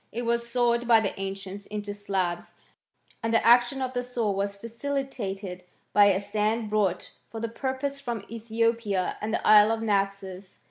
It was sawed by the ancients into slabs, and the action of the saw was facilitated by a sand brought for the purpose from Ethiopia and the isle of Naxos.